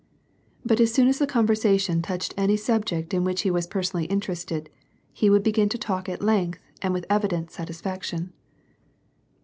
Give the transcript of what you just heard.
But as soon as the conversation touched any subject in which he was personally interested, he would b(*gin to talk at length and with evident satisfjiction.